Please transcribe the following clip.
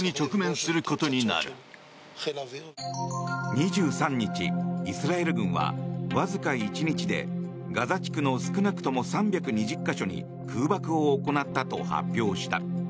２３日、イスラエル軍はわずか１日でガザ地区の少なくとも３２０か所に空爆を行ったと発表した。